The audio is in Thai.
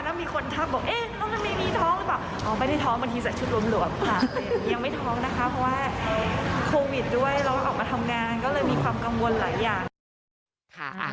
ก็เลยมีความกังวลหลายอย่าง